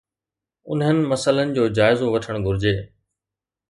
انهن مسئلن جو جائزو وٺڻ گهرجي